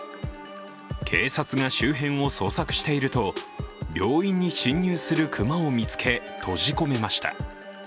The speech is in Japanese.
警察が周辺を捜索していると病院に侵入する熊を見つけ、閉じ込めました。